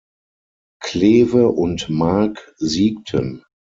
Kleve und Mark siegten.